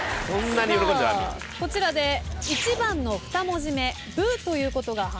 こちらで１番の２文字目「ぶ」ということが判明しました。